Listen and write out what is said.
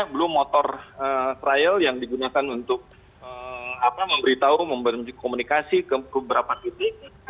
belum motor trial yang digunakan untuk memberitahu memberi komunikasi ke beberapa titik